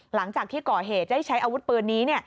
หลังจากที่ก่อเหตุได้ใช้อาวุธปืนนี้